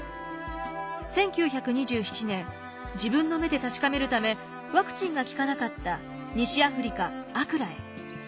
１９２７年自分の目で確かめるためワクチンが効かなかった西アフリカアクラへ。